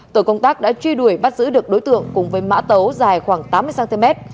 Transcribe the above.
tổ công tác đã truy đuổi bắt giữ được đối tượng cùng với mã tấu dài khoảng tám mươi cm